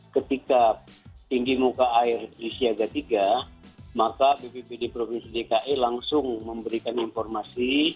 ketika tinggi muka air di siaga tiga maka bppd provinsi dki langsung memberikan informasi